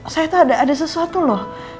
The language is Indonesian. saya itu ada sesuatu loh